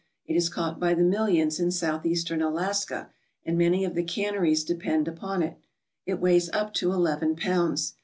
It is caught by the millions in Southeastern Alaska, and many of the canneries depend updo it. It weighs up to eleven pounds.